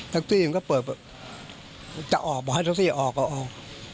ตั๊กซี่ยิ่งก็เปิดจะออกบอกให้ตั๊กซี่ยิ่งออกออกออก